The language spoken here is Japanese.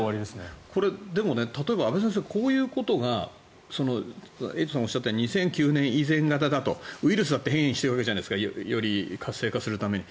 でも、例えば阿部先生エイトさんがおっしゃったように２００９年以前型だとウイルスだって変異しているじゃないですかより活性化するために。